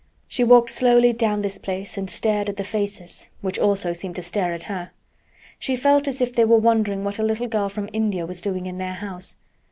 She walked slowly down this place and stared at the faces which also seemed to stare at her. She felt as if they were wondering what a little girl from India was doing in their house.